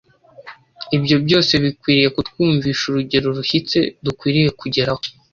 ibyo byose bikwiriye kutwumvishurugero rushyitse dukwiriye kugeraho